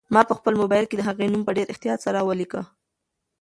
ما په خپل موبایل کې د هغې نوم په ډېر احتیاط سره ولیکه.